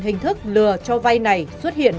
hình thức lừa cho vay này xuất hiện